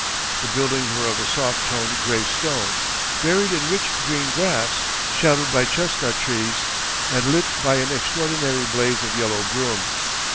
The buildings were of a soft toned gray stone, buried in rich green grass, shadowed by chestnut trees and lit by an extraordinary blaze of yellow broom.